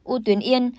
u tuyến yên